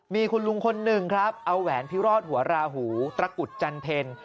มีคุณลุงคนหนึ่งครับเอาแหวนพิรอดหัวราหูตระกุดจันเพ็ญ